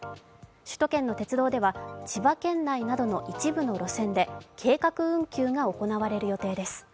首都圏の鉄道では千葉県内などでの一部の路線で計画運休が行われる予定です。